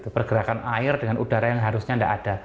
pergerakan air dengan udara yang harusnya tidak ada